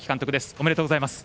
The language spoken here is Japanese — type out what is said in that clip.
おめでとうございます。